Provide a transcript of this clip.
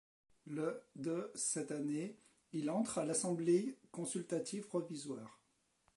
Le de cette année, il entre à l'Assemblée consultative provisoire.